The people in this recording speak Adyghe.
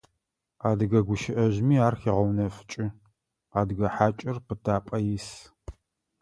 Адыгэ гущыӏэжъыми ар хегъэунэфыкӏы: «Адыгэ хьакӏэр пытапӏэ ис».